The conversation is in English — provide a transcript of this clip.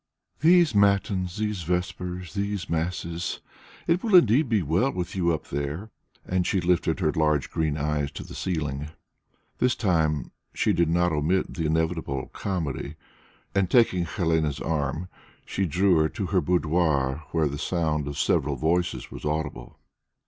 "These matins, these vespers, these masses! ... It will indeed be well with you up there." And she lifted her large green eyes to the ceiling. This time also she did not omit the inevitable comedy, and taking Helene's arm, she drew her to her boudoir, where the sound of several voices was audible.